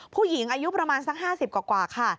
ผู้หญิงอายุประมาณสัก๕๐กว่าค่ะ